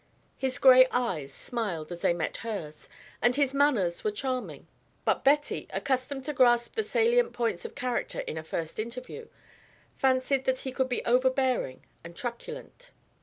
His gray eyes smiled as they met hers, and his manners were charming; but Betty, accustomed to grasp the salient points of character in a first interview, fancied that he could be overbearing and truculent.